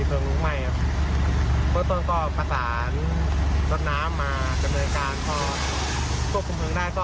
เพราะต้นก็ประสานรถน้ำมากำเนินการ